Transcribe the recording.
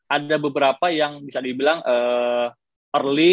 ada beberapa yang bisa dibilang early